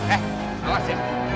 eh awas ya